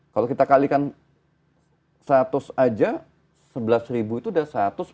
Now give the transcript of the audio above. kalau kita kalikan seratus aja sebelas itu sudah satu ratus sepuluh